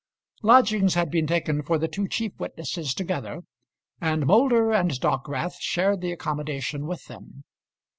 Lodgings had been taken for the two chief witnesses together, and Moulder and Dockwrath shared the accommodation with them.